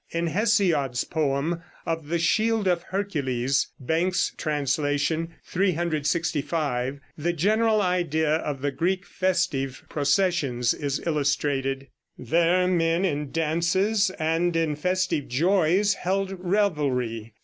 In Hesiod's poem of "The Shield of Hercules" (Bank's translation, 365), the general idea of the Greek festive processions is illustrated: "There men in dances and in festive joys Held revelry.